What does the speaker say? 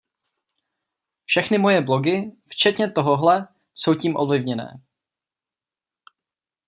Všechny moje blogy, včetně tohohle, jsou tím ovlivněné.